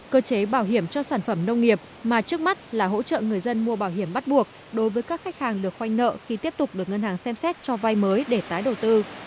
cơ chế bảo hiểm cho sản phẩm nông nghiệp mà trước mắt là hỗ trợ người dân mua bảo hiểm bắt buộc đối với các khách hàng được khoanh nợ khi tiếp tục được ngân hàng xem xét cho vai mới để tái đầu tư